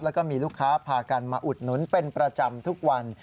แล้วก็มีลูกค้าพากันมาอุดหนุนเป็นประจำทุกวัน